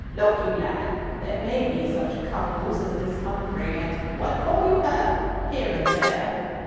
"Look you, lad: there may be such couples as this Humfrey and—what call you her?—here and there."